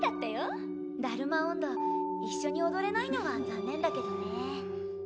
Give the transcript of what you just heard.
だるま音頭一緒に踊れないのは残念だけどね。